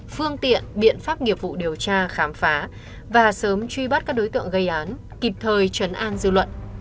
phương tiện biện pháp nghiệp vụ điều tra khám phá và sớm truy bắt các đối tượng gây án kịp thời chấn an dư luận